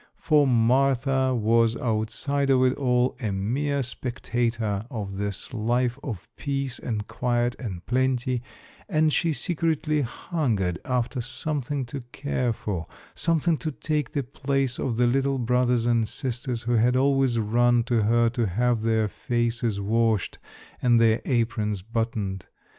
For Martha was outside of it all, a mere spectator of this life of peace and quiet and plenty, and she secretly hungered after something to care for something to take the place of the little brothers and sisters who had always run to her to have their faces washed and their aprons buttoned.